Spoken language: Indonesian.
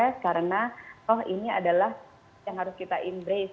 karena oh ini adalah yang harus kita embrace